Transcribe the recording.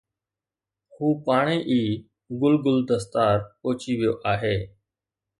هو پاڻ ئي گل گل دستار پهچي ويو آهي